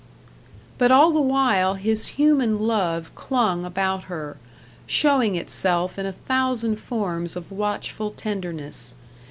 But all the while his human love clung about her, showing itself in a thousand forms of watchful tenderness.